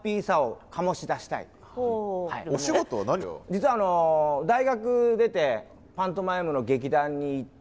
実はあの大学出てパントマイムの劇団に行って。